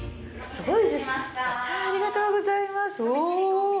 すごい。